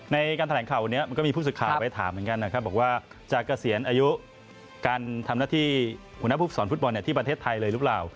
ในการแถลงข่าววันนี้มันก็มีผู้สื่อข่าวไปถามเหมือนกันนะครับบอกว่าจะเกษียณอายุการทำหน้าที่หัวหน้าผู้ฝึกสอนฟุตบอลที่ประเทศไทยเลยหรือเปล่า